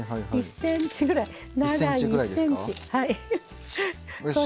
１ｃｍぐらい長いと１ｃｍ。